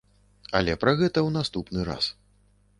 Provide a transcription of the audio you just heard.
Але пра гэта ў наступны раз.